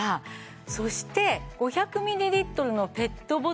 そして５００ミリリットルのペットボトルです。